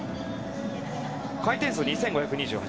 回転数２５２８。